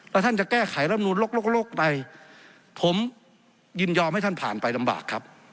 แล้วท่านจะแก้ไขรำนูนโลกไปผมยินยอมให้ท่านผ่านไปลำบากครับ